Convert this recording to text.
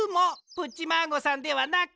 プッチマーゴさんではなく！